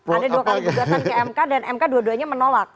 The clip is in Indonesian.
ada dua kali gugatan ke mk dan mk dua duanya menolak